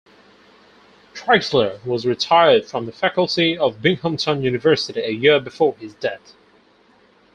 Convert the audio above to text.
Trexler was retired from the faculty of Binghamton University a year before his death.